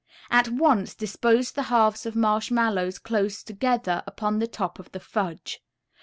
At once dispose the halves of marshmallows close together upon the top of the fudge.